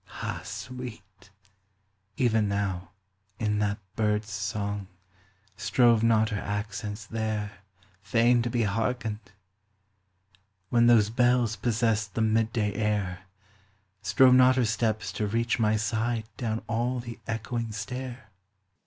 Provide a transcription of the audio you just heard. (Ah sweet ! Even now, in that bird's song, Strove not her accents there, Fain to be hearkened ? When those bells Possessed the mid day air, Strove not her steps to reach my side Down all the echoing stair